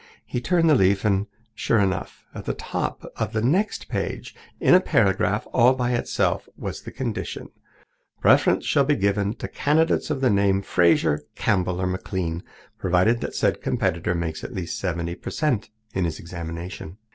He turned the leaf and, sure enough, at the top of the next page, in a paragraph by itself, was the condition: "Preference shall be given to candidates of the name Fraser, Campbell or McLean, provided that said competitor makes at least seventy per cent in his examination."